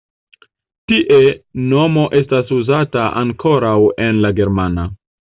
Tie nomo estas uzata ankoraŭ en la germana.